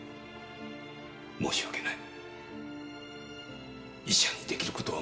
申し訳ない。